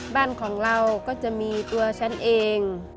บ้านของเราก็จะมีตัวฉันเอง